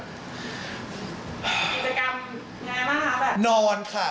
กิจกรรมยังไงบ้างครับ